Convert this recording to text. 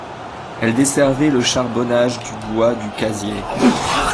Elle desservait le charbonnage du Bois du cazier.